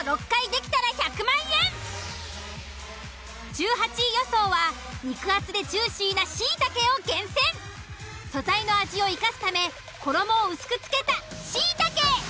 １８位予想は肉厚でジューシーなしいたけを厳選素材の味を生かすため衣を薄く付けたしいたけ。